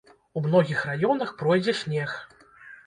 У многіх раёнах пройдзе снег.